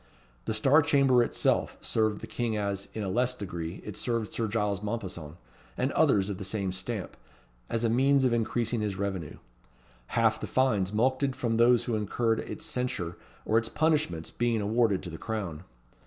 The Star Chamber itself served the king as, in a less degree, it served Sir Giles Mompesson, and others of the same stamp, as a means of increasing his revenue; half the fines mulcted from those who incurred its censure or its punishments being awarded to the crown.